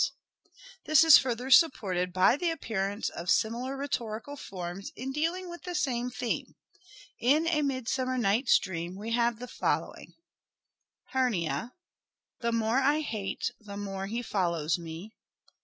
Love's This is further supported by the appearance of iss' similar rhetorical forms in dealing with the same theme. In " A Midsummer Night's Dream " we have the following :— Hernia. The more I hate the more he follows me.